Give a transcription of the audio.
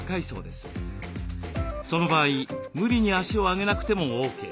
その場合無理に足を上げなくてもＯＫ。